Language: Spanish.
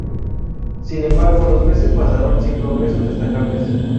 Sin embargo los meses pasaron sin progresos destacables.